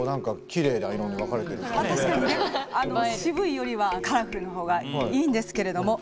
渋いよりはカラフルな方がいいんですけれども。